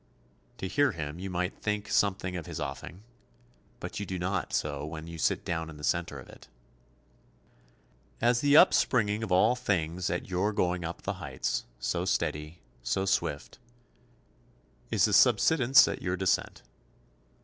To hear him you might think something of his offing, but you do not so when you sit down in the centre of it. As the upspringing of all things at your going up the heights, so steady, so swift, is the subsidence at your descent.